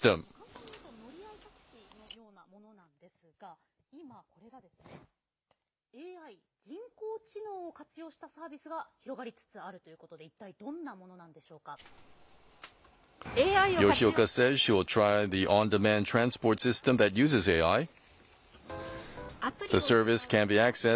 簡単に言うと乗り合いタクシーのようなものなんですが今、これがですねＡＩ、人工知能を活用したサービスが広がりつつあるということでＡＩを活用したデマンド交通。